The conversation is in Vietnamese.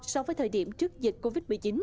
so với thời điểm trước dịch covid một mươi chín